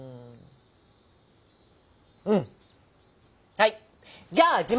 はい！